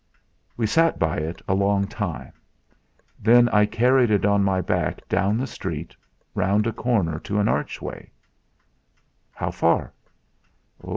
"We sat by it a long time. Then I carried it on my back down the street, round a corner to an archway." "How far?"